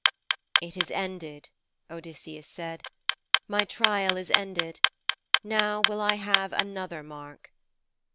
XV It is ended,' Odysseus said, 'My trial is ended. Now will I have another mark.'